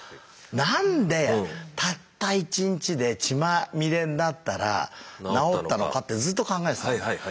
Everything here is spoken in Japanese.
何でたった１日で血まみれになったら治ったのかってずっと考えてたの。